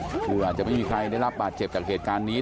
คืออาจจะไม่มีใครได้รับบาดเจ็บจากเหตุการณ์นี้